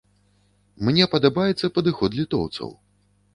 Мне падабаецца падыход літоўцаў.